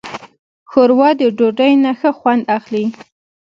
ښوروا د ډوډۍ نه ښه خوند اخلي.